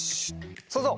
そうぞう！